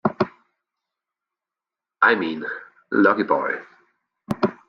I mean, lucky boy!